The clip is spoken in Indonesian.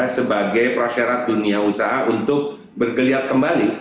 sebagai prasyarat dunia usaha untuk bergeliat kembali